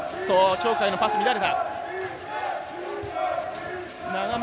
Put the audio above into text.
鳥海のパス乱れた。